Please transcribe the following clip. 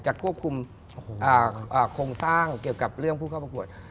ควบคุมโครงสร้างเกี่ยวกับเรื่องผู้เข้าประกวด